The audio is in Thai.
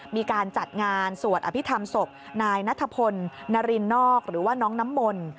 มีการจัดงานสวดอภิษฐรรมศพนายนัทพลนารินนอกหรือว่าน้องน้ำมนต์